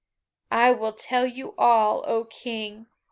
"I will tell you all, oh King!"